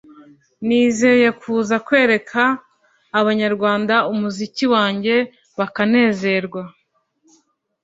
nizeye kuza kwereka abanyarwanda umuziki wanjye bakanezerwa